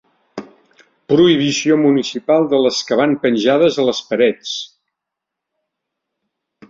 Prohibició municipal de les que van penjades a les parets.